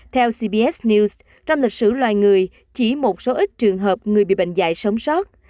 theo cbs news trong lịch sử loài người chỉ một số ít trường hợp người bị bệnh dạy sống sót